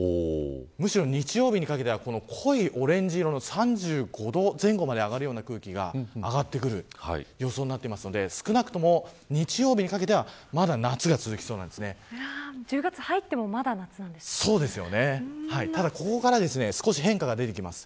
むしろ、日曜日にかけては濃いオレンジ色の３５度前後まで上がるような空気が上がってくる予想になっているので少なくとも日曜日にかけては１０月入ってもただ、ここから少し変化が出てきます。